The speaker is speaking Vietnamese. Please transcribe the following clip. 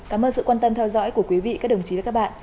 cảm ơn sự quan tâm theo dõi của quý vị các đồng chí và các bạn